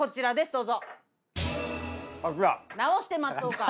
どうぞ。